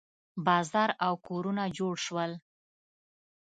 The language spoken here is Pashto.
بازار او کورونه جوړ شول.